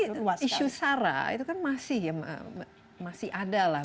tapi isu sara itu kan masih ya masih ada lah